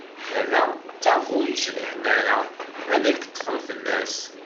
Ala d ta ur yecbiḥen ara, ad ak-ṭfen fell-as.